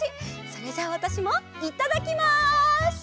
それじゃあわたしもいただきます！